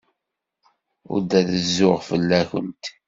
Ur d-rezzuɣ fell-awent.